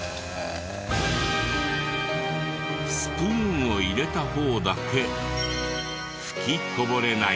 スプーンを入れた方だけ吹きこぼれない。